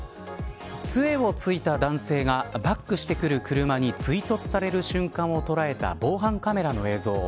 杖をついた男性がバックしてくる車に追突される瞬間を捉えた防犯カメラの映像。